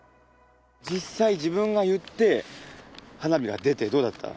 実際自分が言って花火が出てどうだった？